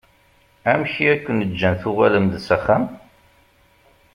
Amek i aken-ǧǧan tuɣalem-d s axxam?